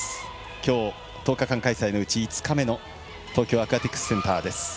きょう、１０日開催のうち５日目の東京アクアティクスセンターです。